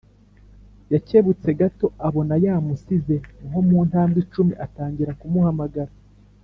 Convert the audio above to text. yakebutse gato abona yamusize nko mu ntambwe icumi atangira kumuhamagara: